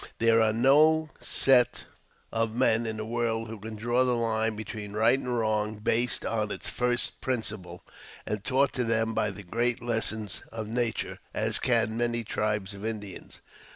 There are no set of men in the world who can draw the line between right and wrong based on its first principle, and taught to them by the great lessons of nature, as can many tribes of Indians.